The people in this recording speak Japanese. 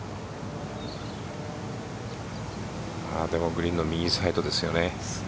グリーンの右サイドですよね。